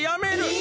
え！